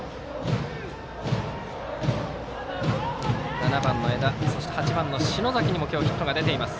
７番の江田、８番の篠崎と今日、ヒットが出ています。